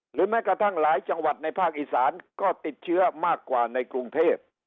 แม้กระทั่งหลายจังหวัดในภาคอีสานก็ติดเชื้อมากกว่าในกรุงเทพ